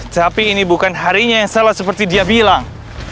tapi ini bukan harinya yang salah seperti dia bilang